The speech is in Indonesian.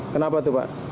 kenapa tuh pak